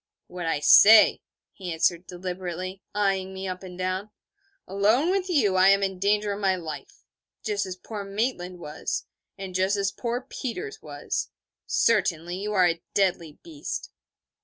'What I say,' he answered deliberately, eyeing me up and down: 'alone with you I am in danger of my life. Just as poor Maitland was, and just as poor Peters was. Certainly, you are a deadly beast.'